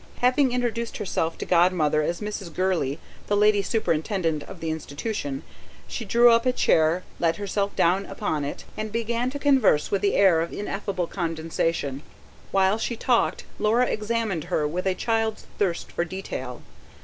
Having introduced herself to Godmother as Mrs. Gurley, the Lady Superintendent of the institution, she drew up a chair, let herself down upon it, and began to converse with an air of ineffable condescension. While she talked Laura examined her, with a child's thirst for detail.